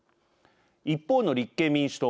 一方の立憲民主党。